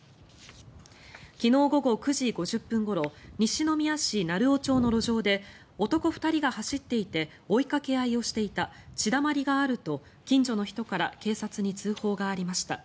昨日午後９時５０分ごろ西宮市鳴尾町の路上で男２人が走っていて追いかけ合いをしていた血だまりがあると、近所の人から警察に通報がありました。